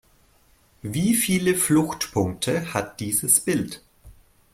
Wie viele Fluchtpunkte hat dieses Bild?